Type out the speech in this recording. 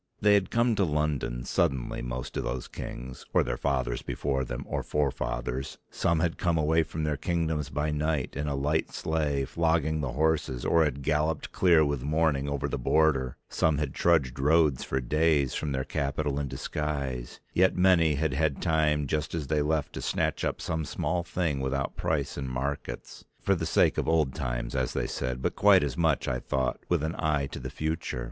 They had come to London suddenly most of those kings, or their fathers before them, or forefathers; some had come away from their kingdoms by night, in a light sleigh, flogging the horses, or had galloped clear with morning over the border, some had trudged roads for days from their capital in disguise, yet many had had time just as they left to snatch up some small thing without price in markets, for the sake of old times as they said, but quite as much, I thought, with an eye to the future.